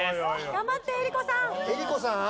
頑張って江里子さん！